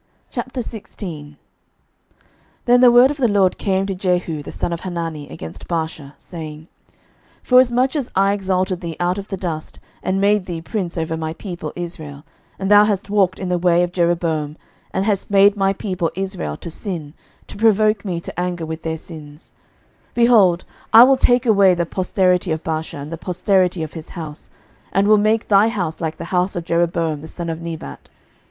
11:016:001 Then the word of the LORD came to Jehu the son of Hanani against Baasha, saying, 11:016:002 Forasmuch as I exalted thee out of the dust, and made thee prince over my people Israel; and thou hast walked in the way of Jeroboam, and hast made my people Israel to sin, to provoke me to anger with their sins; 11:016:003 Behold, I will take away the posterity of Baasha, and the posterity of his house; and will make thy house like the house of Jeroboam the son of Nebat.